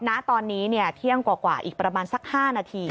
ณตอนนี้เที่ยงกว่าอีกประมาณสัก๕นาที